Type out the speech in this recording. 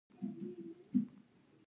د دولت مهم کار په مرئیانو زور اچول وو.